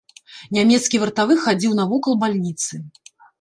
Нямецкі вартавы хадзіў навакол бальніцы.